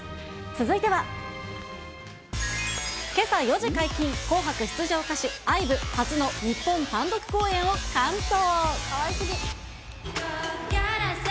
続いては。けさ４時解禁、紅白出場歌手、ＩＶＥ、初の日本単独公演を完走。